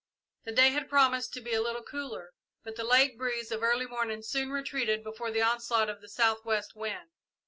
The day had promised to be a little cooler, but the lake breeze of early morning soon retreated before the onslaught of the south west wind.